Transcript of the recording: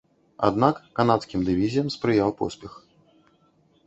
Аднак канадскім дывізіям спрыяў поспех.